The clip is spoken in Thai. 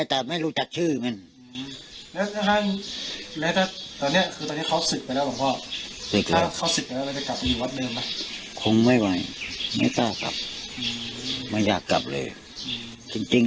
ถ้าไม่ได้จริงแล้วถ้าไม่ไหวจริง